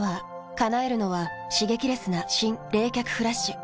叶えるのは刺激レスな新・冷却フラッシュ。